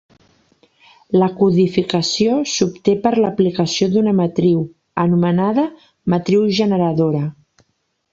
La codificació s'obté per l'aplicació d'una matriu, anomenada matriu generadora.